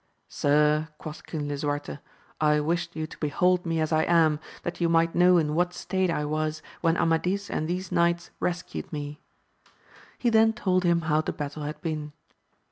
Sir, quoth Bang Lisu arte, I wished you to behold me as I am, that you might know in what state I was when Amadis and these knights rescued me. He then told him how the battle had been.